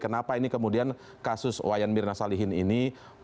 kenapa ini kemudian kasus wayan mirna salihin ini